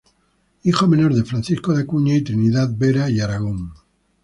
Hijo menor de Francisco de Acuña y Trinidad Vera y Aragón.